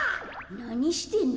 なにしてんの？